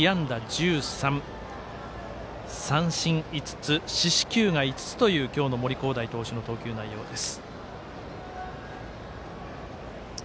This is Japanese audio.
１３、三振５つ四死球が５つという今日の森煌誠投手の投球内容です。